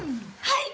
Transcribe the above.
はい！